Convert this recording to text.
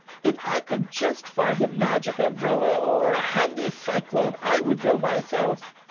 If I could just find a magic umbrella or a handy cyclone I would go myself.